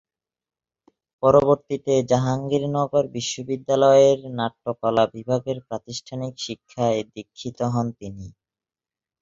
পরবর্তীতে জাহাঙ্গীরনগর বিশ্ববিদ্যালয়ের নাট্যকলা বিভাগের প্রাতিষ্ঠানিক শিক্ষায় দীক্ষিত হন তিনি।